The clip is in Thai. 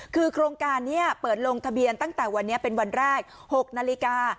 คือโครงการนี้เปิดลงทะเบียนตั้งแต่วันนี้เป็นวันแรก๖นาฬิกา